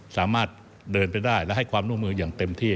สามารถเดินไปได้และให้ความร่วมมืออย่างเต็มที่